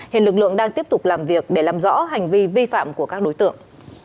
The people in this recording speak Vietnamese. hiện lực lượng đang tiếp tục làm việc để làm rõ hành vi vi phạm của các đối tượng